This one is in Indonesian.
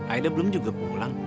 aida belum juga pulang